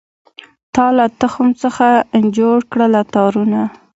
تا له تخم څخه جوړکړله تارونه